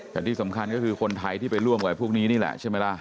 แต่ที่สำคัญก็คือคนไทยที่ไปร่วมกับพวกนี้นี่แหละใช่ไหมล่ะ